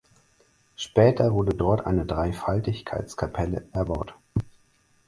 Später wurde dort eine Dreifaltigkeitskapelle erbaut.